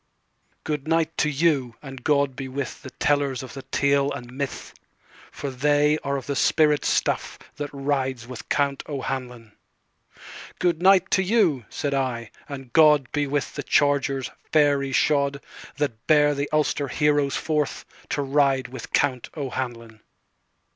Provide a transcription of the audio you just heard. "Good night to you, and God be withThe tellers of the tale and myth, For they are of the spirit stuffThat rides with Count O'Hanlon.""Good night to you," said I, "and GodBe with the chargers, fairy shod, That bear the Ulster heroes forthTo ride with Count O'Hanlon."